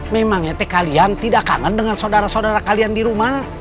memang ya kalian tidak kangen dengan saudara saudara kalian di rumah